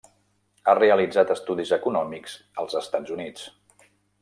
Ha realitzat estudis econòmics als Estats Units.